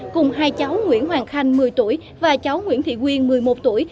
cùng hai cháu nguyễn hoàng khanh một mươi tuổi và cháu nguyễn thị quyên một mươi một tuổi